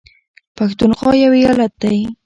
پښنونخوا يو ايالت دى